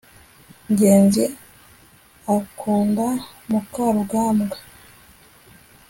ngenzi akunda mukarugambwa (methodgt